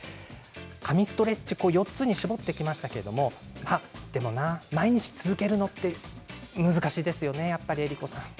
神ストレッチ４つに絞ってきましたけれどもでもな、毎日続けるのって難しいですよね、江里子さん。